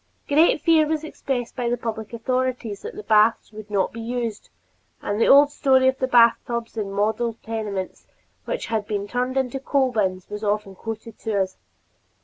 Great fear was expressed by the public authorities that the baths would not be used, and the old story of the bathtubs in model tenements which had been turned into coal bins was often quoted to us.